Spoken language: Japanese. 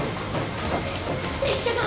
列車が！